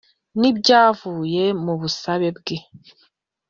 N ibyavuye mu busabe bwe